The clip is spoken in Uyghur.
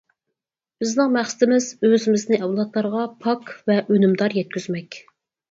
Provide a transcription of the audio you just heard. بىزنىڭ مەقسىتىمىز ئۆزىمىزنى ئەۋلادلارغا پاك ۋە ئۈنۈمدار يەتكۈزمەك.